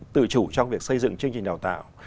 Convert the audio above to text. tự chủ trong việc xây dựng chương trình đào tạo